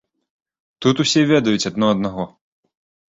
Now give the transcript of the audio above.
Тут усе ведаюць адно аднаго.